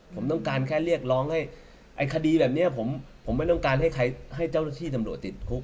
ผมต้องการแค่เรียกร้องให้ไอ้คดีแบบนี้ผมไม่ต้องการให้ใครให้เจ้าหน้าที่ตำรวจติดคุก